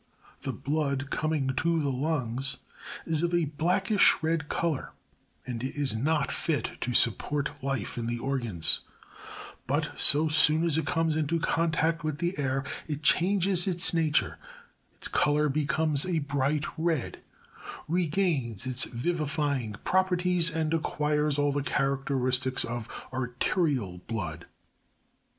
21. The blood coming to the lungs is of a blackish red color, and is not fit to support life in the organs ; but so soon as it conies jn contact with the air it changes its nature ; its color becomes o* a bright red, regains its vivifying properties and acquires all the characteristics of arterial blood.